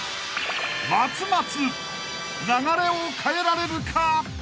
［流れを変えられるか？］